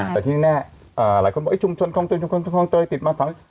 แต่ที่แน่หลายคนบอกชุมชนคลองเตยชุมชนคลองเตยติดมา